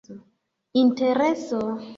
intereso